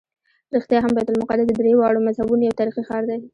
رښتیا هم بیت المقدس د درېواړو مذهبونو یو تاریخي ښار دی.